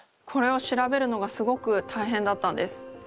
これを調べるのがすごく大変だったんです。